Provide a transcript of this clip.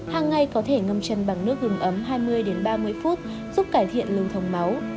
hàng ngày có thể ngâm chân bằng nước gừng ấm hai mươi ba mươi phút giúp cải thiện lưu thông máu